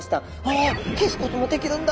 あ消すこともできるんだ！